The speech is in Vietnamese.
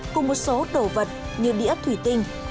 cùng một số đồ vật như đĩa thủy tinh